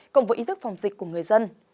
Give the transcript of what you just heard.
cộng với ý thức phòng dịch của người dân